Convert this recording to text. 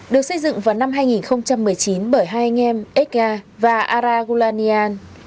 được xây dựng vào năm hai nghìn một mươi chín bởi hai anh em edgar và ara gulanian